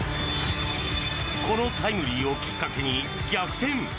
このタイムリーをきっかけに逆転。